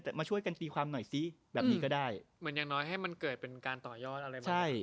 แต่มาช่วยกันตีความหน่อยซิแบบนี้ก็ได้เหมือนอย่างน้อยให้มันเกิดเป็นการต่อยอดอะไรแบบนี้